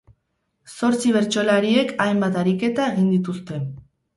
Zortzi bertsolariek hainbat ariketa egin dituzte.